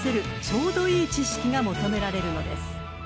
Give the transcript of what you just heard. ちょうどいい知識が求められるのです］